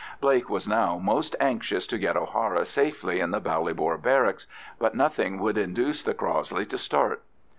Blake was now most anxious to get O'Hara safely in the Ballybor Barracks, but nothing would induce the Crossley to start.